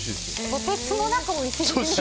とてつもなくおいしいです。